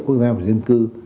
quốc gia và dân cư